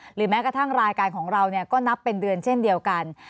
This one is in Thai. หรือแม้กระทั่งรายการของเราก็นับเป็นเดือนเช่นเดียวกัน